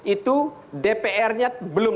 itu dpr nya belum